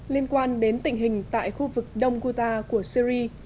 liên quan đến tình hình tại khu vực đông guta của syri